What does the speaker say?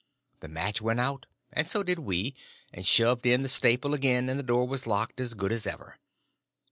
The match went out, and so did we, and shoved in the staple again, and the door was locked as good as ever.